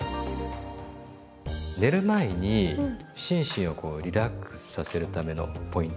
寝る前に心身をこうリラックスさせるためのポイント。